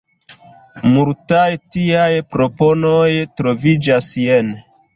Multaj tiaj proponoj troviĝas jene.